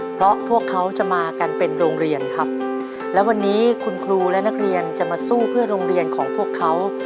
เพราะพวกเขาจะมากันเป็นโรงเรียนครับและวันนี้คุณครูและนักเรียนจะมาสู้เพื่อโรงเรียนของพวกเขา